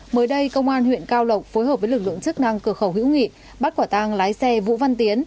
mới đây công an huyện cao lộc phối hợp với lực lượng chức năng cửa khẩu hữu nghị bắt quả tang lái xe vũ văn tiến